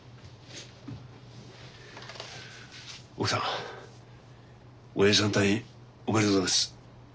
奥さんおやじさんの退院おめでとうございます。